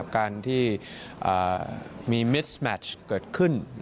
การที่มียึดขึ้น